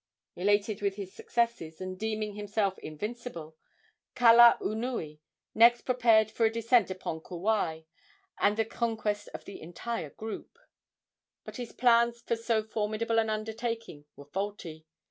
Elated with his successes, and deeming himself invincible, Kalaunui next prepared for a descent upon Kauai and the conquest of the entire group. But his plans for so formidable an undertaking were faulty.